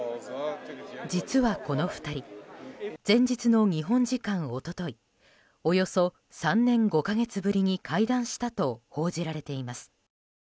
実は、この２人前日の日本時間一昨日およそ３年５か月ぶりに会談したと報じられています。